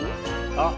あっ。